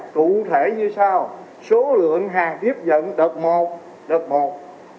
cụ thể như sau số lượng hàng tiếp nhận đợt một